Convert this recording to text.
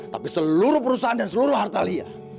tapi seluruh perusahaan dan seluruh harta lia